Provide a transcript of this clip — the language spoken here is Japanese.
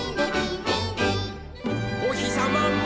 「おひさまも」